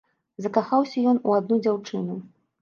Закахаўся ён у адну дзяўчыну.